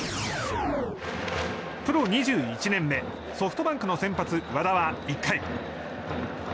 プロ２１年目ソフトバンクの先発、和田は１回。